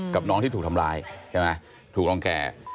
กับน้องที่ถูกทำร้ายใช่ไหมถูกรังแก่